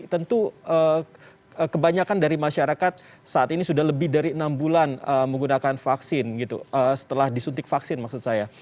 tentu kebanyakan dari masyarakat saat ini sudah lebih dari enam bulan menggunakan vaksin setelah disuntik vaksin maksud saya